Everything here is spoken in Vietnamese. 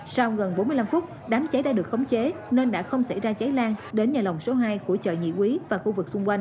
sau gần bốn mươi năm phút đám cháy đã được khống chế nên đã không xảy ra cháy lan đến nhà lòng số hai của chợ nhị quý và khu vực xung quanh